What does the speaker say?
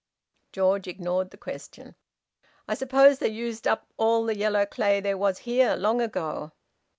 George ignored the question. "I suppose they used up all the yellow clay there was here, long ago?"